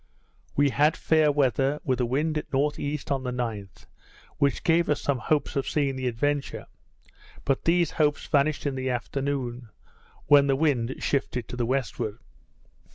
We had fair weather, with the wind at N.E., on the 9th, which gave us some hopes of seeing the Adventure; but these hopes vanished in the afternoon, when the wind shifted to the westward.